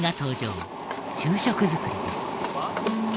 昼食作りです。